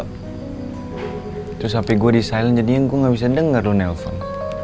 terus hp gue disilen jadinya gue gak bisa denger lo nelfon